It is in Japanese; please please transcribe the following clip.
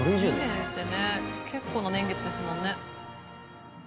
「２年ってね結構な年月ですもんね」